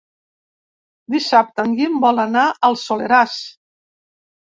Dissabte en Guim vol anar al Soleràs.